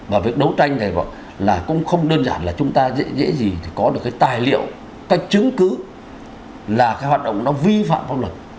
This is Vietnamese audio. và việc đấu tranh này là cũng không đơn giản là chúng ta dễ gì có được cái tài liệu cái chứng cứ là cái hoạt động nó vi phạm pháp luật